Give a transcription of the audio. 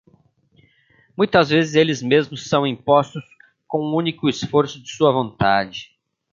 Muitas vezes eles mesmos são impostos com o único esforço de sua vontade.